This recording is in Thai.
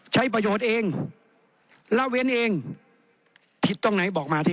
ใช้ประโยชน์เองละเว้นเองผิดตรงไหนบอกมาที่